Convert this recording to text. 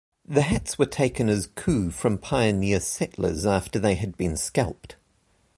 The hats were taken as coup from pioneer settlers after they had been scalped.